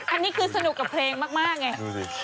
อันนี้คือสนุกกับเพลงมากไง